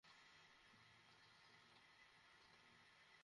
সারা দেশে এখনো অনেক মেয়ে আছে, যারা ক্রিকেটসহ বিভিন্ন খেলাধুলায় আসতে চায়।